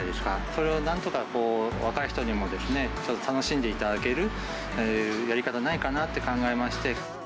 それをなんとかこう、若い人にも、楽しんでいただけるやり方はないかなって考えまして。